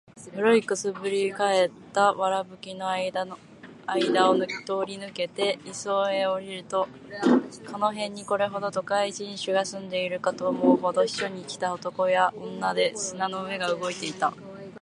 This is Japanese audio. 古い燻（くす）ぶり返った藁葺（わらぶき）の間あいだを通り抜けて磯（いそ）へ下りると、この辺にこれほどの都会人種が住んでいるかと思うほど、避暑に来た男や女で砂の上が動いていた。